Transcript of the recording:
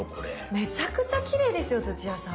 めちゃくちゃきれいですよ土屋さん。